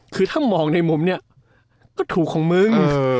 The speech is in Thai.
คือถ้ามองในมุมนี้ก็ถูกของมึง